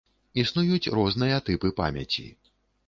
Існуюць розныя тыпы памяці.